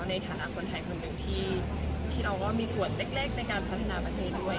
ในฐานะคนไทยคนหนึ่งที่เราก็มีส่วนเล็กในการพัฒนาประเทศด้วย